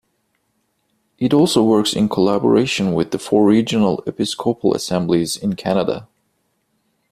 It also works in collaboration with the four regional Episcopal assemblies in Canada.